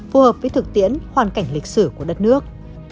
phù hợp với thực tiễn hoàn cảnh lịch sử của đất nước